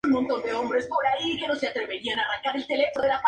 Posteriormente sería un profesor visitante en la Universidad de Columbia.